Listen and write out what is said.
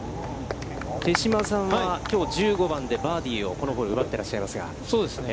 手嶋さんは、きょう、１５番でバーディーをこのホール奪っていらっしゃいますが。